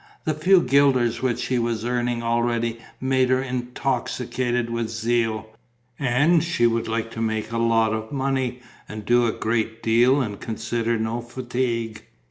The few guilders which she was earning already made her intoxicated with zeal; and she would like to make a lot of money and do a great deal and consider no fatigue.